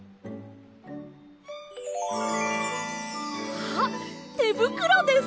あってぶくろです！